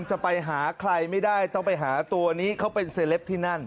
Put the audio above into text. จะไปหาใครไม่ได้ต้องไปหาตัวนี้เขาเป็นเซลปที่นั่น